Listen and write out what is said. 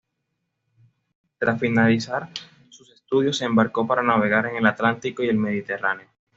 Tras finalizar sus estudios se embarcó para navegar por el Atlántico y el Mediterráneo.